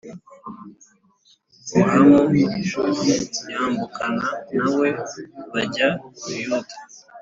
muhamu yambukana na we bajya ibuyuda